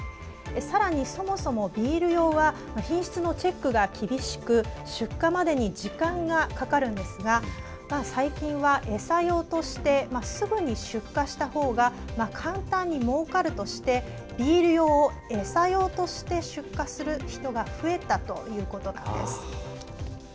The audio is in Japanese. さらに、そもそもビール用は品質のチェックが厳しく出荷までに時間がかかるんですが最近は餌用としてすぐに出荷した方が簡単に、もうかるとしてビール用を餌用として出荷する人が増えたということなんです。